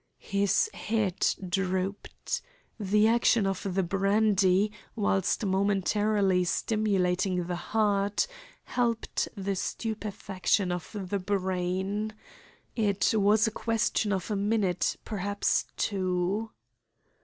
His head drooped. The action of the brandy, whilst momentarily stimulating the heart, helped the stupefaction of the brain. It was a question of a minute, perhaps two.